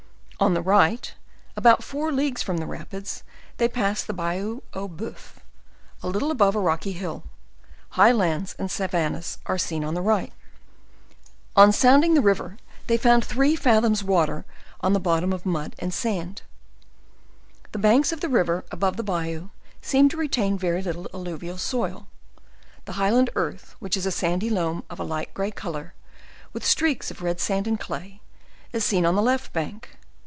On the right, about four leagues from the rapids, they passed the "Bayou Aux Boeufs," a little above a rocky hill: high lands and savannas are seen on the right. On sounding the river they found three fathoms water on a bottom of mud and sand. The banks of the river above the bayou, seem to retain very little alluvial soil; the highland earth, which is a sandy loam of a light gray color, with streaks of red sand and clay, is seen on the left bank